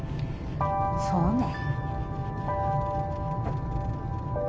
そうね。